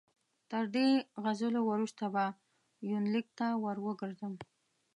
تر دې غزلو وروسته به یونلیک ته ور وګرځم.